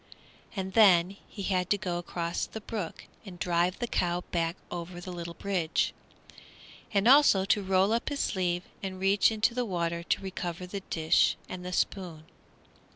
And then he had to go across the brook and drive the cow back over the little bridge, and also to roll up his sleeve and reach into the water to recover the dish and the spoon.